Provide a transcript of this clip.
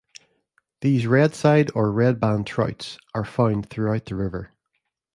These redside or redband trouts are found throughout the river.